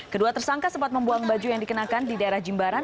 kedua tersangka sempat membuang baju yang dikenakan di daerah jimbaran